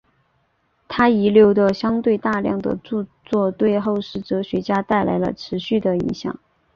他遗留的相对大量的着作对后世哲学家带来了持续的影响。